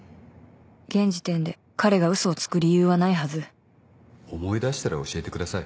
現時点で彼が嘘をつく理由はないはず思い出したら教えてください。